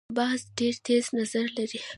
باز ډیر تېز نظر لري